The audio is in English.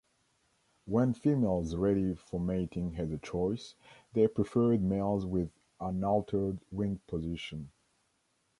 When females ready for mating had the choice, they preferred males with unaltered wing position.